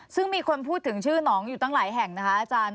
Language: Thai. ซึ่งมีคนพูดถึงชื่อหนองอยู่ตั้งหลายแห่งนะคะอาจารย์